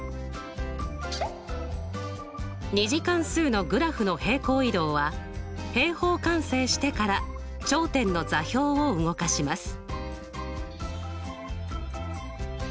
２次関数のグラフの平行移動は平方完成してから頂点の座標を動かします。